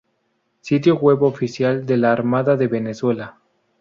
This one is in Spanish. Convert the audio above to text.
Sitio web oficial de la Armada de Venezuela